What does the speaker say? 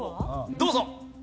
どうぞ！